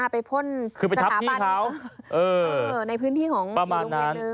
ไปพ่นสถาบันในพื้นที่ของอีกโรงเรียนหนึ่งประมาณนั้น